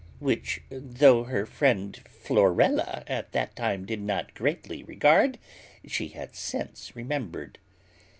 which, though her friend Florella at that time did not greatly regard, she hath since remembered.